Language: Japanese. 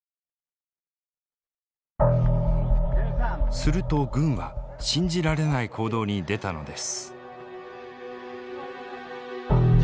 すると軍は信じられない行動に出たのです。